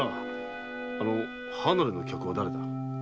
あの離れの客はだれだ？